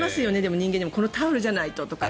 人間でもこのタオルじゃないとというか。